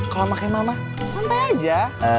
kalau sama kemal mah santai aja